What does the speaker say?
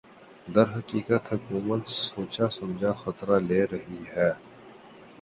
درحقیقت حکومت سوچاسمجھا خطرہ لے رہی ہے